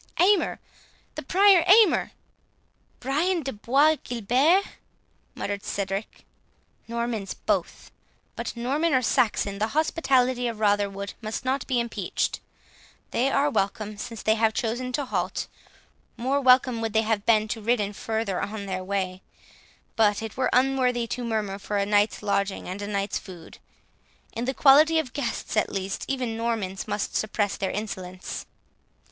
"Aymer, the Prior Aymer? Brian de Bois Guilbert?"—muttered Cedric; "Normans both;—but Norman or Saxon, the hospitality of Rotherwood must not be impeached; they are welcome, since they have chosen to halt—more welcome would they have been to have ridden further on their way—But it were unworthy to murmur for a night's lodging and a night's food; in the quality of guests, at least, even Normans must suppress their insolence.